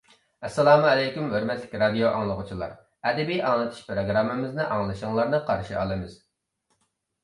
ئەسسالامۇئەلەيكۇم ھۆرمەتلىك رادىئو ئاڭلىغۇچىلار، ئەدەبىي ئاڭلىتىش پروگراممىمىزنى ئاڭلىشىڭلارنى قارشى ئالىمىز.